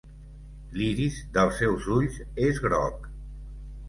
L'iris dels seus ulls és groc.